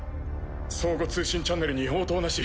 相互通信チャンネルに応答なし。